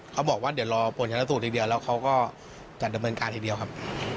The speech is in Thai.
เขาบอกว่าเดี๋ยวรอผลชนสูตรอย่างเดียวแล้วเขาก็จัดดำเนินการทีเดียวครับ